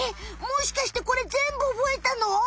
もしかしてこれぜんぶ覚えたの？